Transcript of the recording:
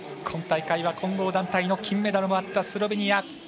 今大会は、混合団体の金メダルもあったスロベニア。